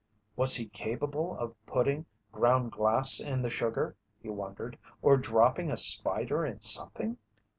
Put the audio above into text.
Was he capable of putting ground glass in the sugar, he wondered, or dropping a spider in something?